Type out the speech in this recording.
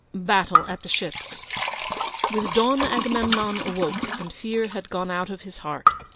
BATTLE AT THE SHIPS With dawn Agamemnon awoke, and fear had gone out of his heart.